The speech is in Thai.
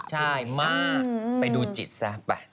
ใช่มากไปดูจิตซะไป